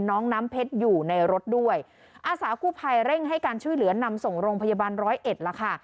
น้องน้ำเพชรอยู่ในรถด้วยอาสากู้ภัยเร่งให้การช่วยเหลือนำส่งโรงพยาบาลร้อยเอ็ดแล้วค่ะ